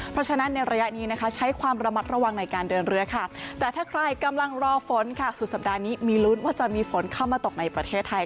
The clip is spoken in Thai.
เพราะฉะนั้นในระยะนี้นะคะใช้ความระมัดระวังในการเดินเรือค่ะแต่ถ้าใครกำลังรอฝนค่ะสุดสัปดาห์นี้มีลุ้นว่าจะมีฝนเข้ามาตกในประเทศไทย